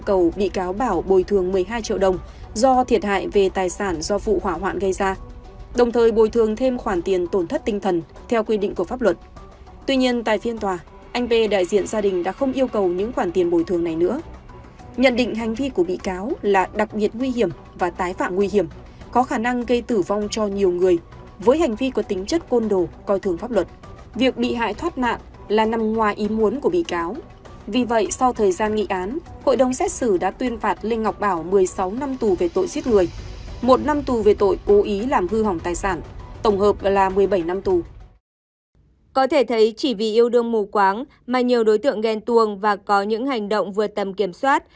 có thể thấy chỉ vì yêu đương mù quáng mà nhiều đối tượng ghen tuồng và có những hành động vượt tầm kiểm soát